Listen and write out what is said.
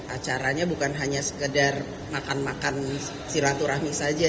acaranya bukan hanya sekedar makan makan silaturahmi saja